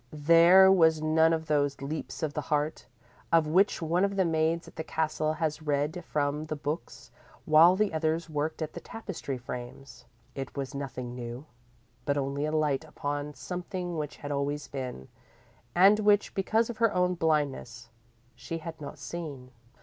There was none of those leaps of the heart of which one of the maids at the Castle had read from the books while the others worked at the tapestry frames. It was nothing new, but only a light upon something which had always been, and which, because of her own blindness, she had not seen.